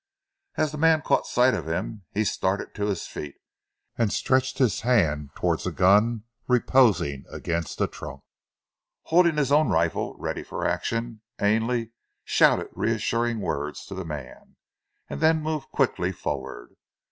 As the man caught sight of him he started to his feet and stretched his hand towards a gun reposing against a trunk. Holding his own rifle ready for action, Ainley shouted reassuring words to the man, and then moved quickly forward.